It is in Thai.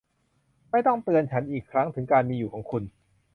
ไม่ต้องเตือนฉันอีกครั้งถึงการมีอยู่ของคุณ